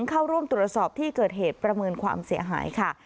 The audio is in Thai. เข้าร่วมตรวจสอบที่เกิดเหตุประเมินความเสียหายค่ะ